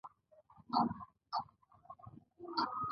ایا زه باید وزارت ته لاړ شم؟